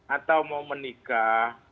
atau mau menikah